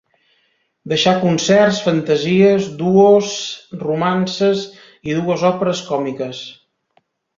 Deixà concerts, fantasies, duos, romances i dues òperes còmiques.